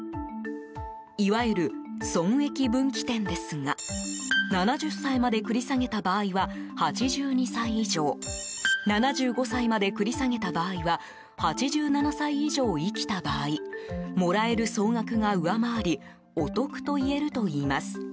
いわゆる損益分岐点ですが７０歳まで繰り下げた場合は８２歳以上７５歳まで繰り下げた場合は８７歳以上、生きた場合もらえる総額が上回りお得といえるといいます。